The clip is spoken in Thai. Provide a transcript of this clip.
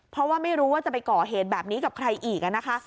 เพราะว่าไม่รู้ว่าจะไปก่อเหตุแบบนี้กับใครอีกนะคะ